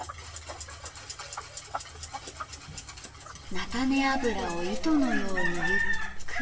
菜種油を糸のようにゆっくりゆっくり。